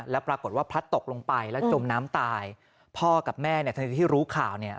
แล้วปรากฏว่าพลัดตกลงไปแล้วจมน้ำตายพ่อกับแม่เนี่ยทันทีที่รู้ข่าวเนี่ย